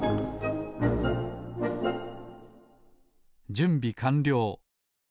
じゅんびかんりょう。